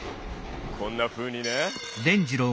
こんなふうにね。